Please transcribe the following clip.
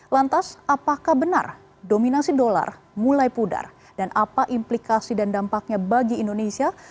lantas apakah benar dominasi dolar mulai pudar dan apa implikasi dan dampaknya bagi indonesia